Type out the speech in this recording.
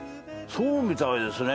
そうみたいですね。